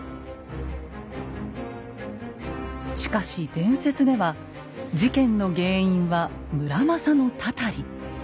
しかし伝説では事件の原因は村正の祟り。